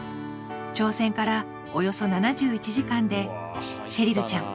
挑戦からおよそ７１時間でシェリルちゃん